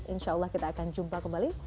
insya allah kita akan jumpa kembali